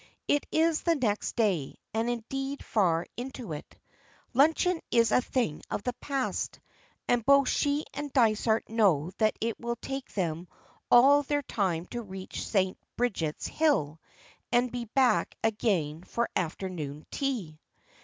It is the next day, and indeed far into it. Luncheon is a thing of the past, and both she and Dysart know that it will take them all their time to reach St. Bridget's Hill and be back again for afternoon tea.